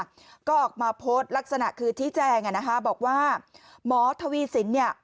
ก็ออกมาโพสต์ลักษณะคือชี้แจงอ่ะนะคะบอกว่าหมอทวีสินเนี่ย